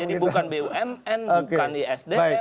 jadi bukan bumn bukan isdem